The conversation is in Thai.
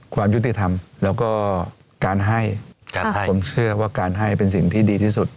ความยุติธรรมแล้วก็การให้ผมเชื่อว่าการให้เป็นสิ่งที่ดีที่สุด